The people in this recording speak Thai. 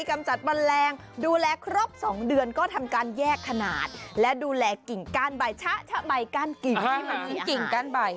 กำจัดปันแรงดูแลครบสองเดือนก็ทำการแยกขนาดและดูแลกิ่งกล้านใบชะชะใบกล้านกิ่งที่มีอาหาร